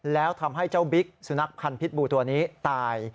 แล้วทำให้เจ้าบิ๊กสุนัขพันธ์พิษบูตัวนี้ตาย